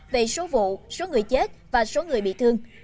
về số vụ số người chết và số người bị thương